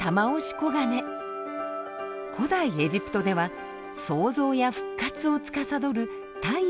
古代エジプトでは創造や復活をつかさどる太陽の神としてあがめられました。